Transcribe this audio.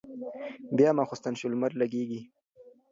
بيا ماخستن شو لمر لګېږي